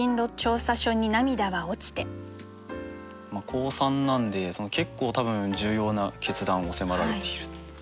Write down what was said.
高３なんで結構多分重要な決断を迫られている。